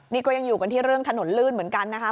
นี่ก็ยังอยู่กันที่เรื่องถนนลื่นเหมือนกันนะคะ